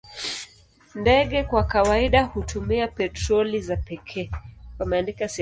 Ndege kwa kawaida hutumia petroli za pekee.